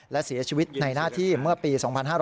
และเสียชีวิตในหน้าที่เมื่อปี๒๕๕๙